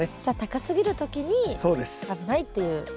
じゃあ高すぎる時に危ないっていう。